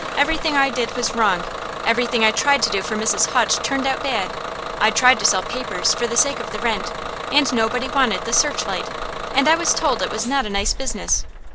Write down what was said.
Everything I did was wrong. Everything I tried to do for Mrs. Hutch turned out bad. I tried to sell papers, for the sake of the rent, and nobody wanted the "Searchlight," and I was told it was not a nice business.